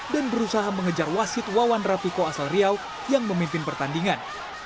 dan berusaha mengejar wasit wawan rapiko asal riau yang memimpin pertandingan